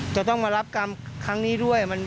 จะต้องมารับกรรมครั้งนี้ด้วย